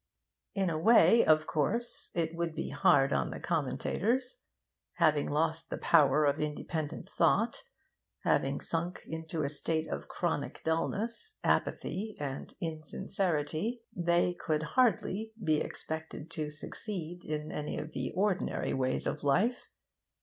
In a way, of course, it would be hard on the commentators. Having lost the power of independent thought, having sunk into a state of chronic dulness, apathy and insincerity, they could hardly, be expected to succeed in any of the ordinary ways of life.